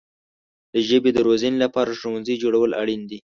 د ژبې د روزنې لپاره ښوونځي جوړول اړین دي.